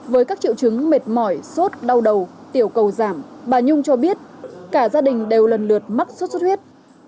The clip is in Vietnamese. với các triệu chứng mệt mỏi suốt đau đầu tiểu cầu giảm bà nhung cho biết cả gia đình đều lần lượt mắc suốt suốt huyết